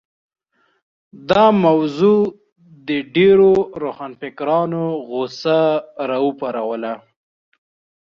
دا موضوع د ډېرو روښانفکرانو غوسه راوپاروله.